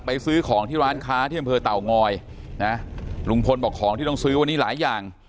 ซื้อของที่ร้านค้าที่อำเภอเต่างอยนะลุงพลบอกของที่ต้องซื้อวันนี้หลายอย่าง